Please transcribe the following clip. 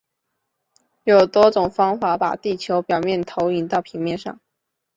有多种方法把地球表面投影到平面上。